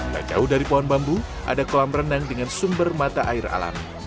tak jauh dari pohon bambu ada kolam renang dengan sumber mata air alami